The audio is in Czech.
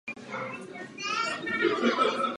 Anna zdědila třetinu Kosti a Trosek.